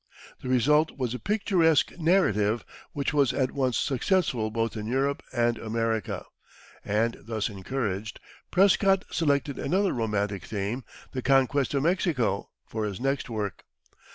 The result was a picturesque narrative which was at once successful both in Europe and America; and, thus encouraged, Prescott selected another romantic theme, the conquest of Mexico, for his next work.